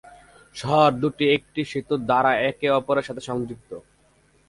শহর দুটি একটি সেতুর দ্বারা একে অপরের সাথে সংযুক্ত।